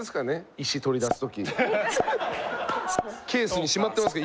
石取り出す時。